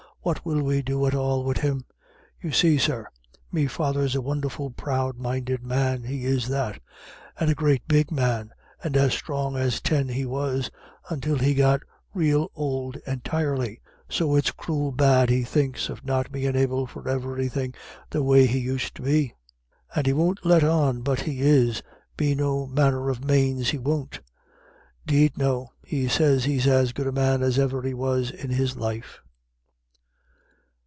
What will we do at all wid him? You see, sir, me father's a won'erful proud minded man; he is that. And a great big man, and as strong as ten he was, ontil he got rael ould entirely. So it's cruel bad he thinks of not bein' able for everythin' the way he used to be; and he won't let on but he is, be no manner of manes he won't. 'Deed no, he sez he's as good a man as ever he was in his life."